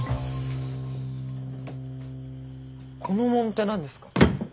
このもんって何ですか？